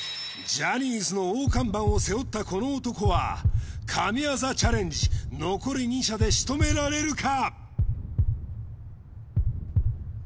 ジャニーズの大看板を背負ったこの男は神業チャレンジ残り２射でしとめられるか？